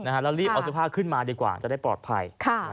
แล้วรีบเอาเสื้อผ้าขึ้นมาดีกว่าจะได้ปลอดภัย